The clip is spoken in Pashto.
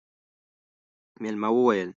مېلمه وويل: